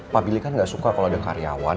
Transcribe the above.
pak bili kan gak suka kalo ada karyawan